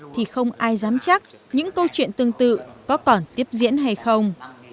thì không ai dám chắc những câu chuyện tương tự có còn tiếp diễn hay không